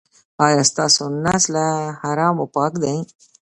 ایا ستاسو نس له حرامو پاک دی؟